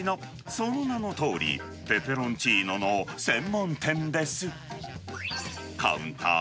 その名のとおり、ペペロンチーノの専門店です。